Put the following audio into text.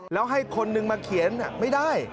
แล้วให้คนนึงมาเขียนไม่ได้